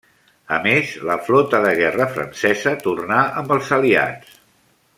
A més, la flota de guerra francesa tornà amb els aliats.